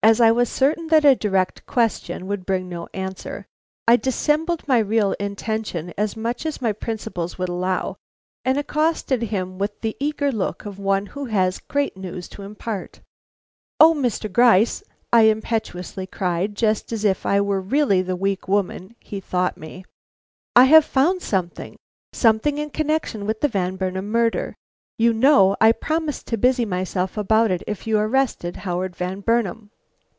As I was certain that a direct question would bring no answer, I dissembled my real intention as much as my principles would allow, and accosted him with the eager look of one who has great news to impart. "O, Mr. Gryce!" I impetuously cried, just as if I were really the weak woman he thought me, "I have found something; something in connection with the Van Burnam murder. You know I promised to busy myself about it if you arrested Howard Van Burnam."